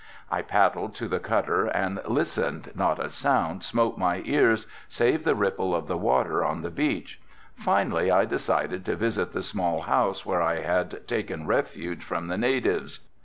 I paddled to the cutter and listened, not a sound smote my ears save the ripple of the water on the beach. Finally I decided to visit the small house where I had taken refuge from the natives.